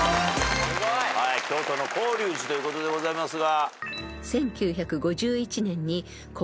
京都の広隆寺ということでございますが。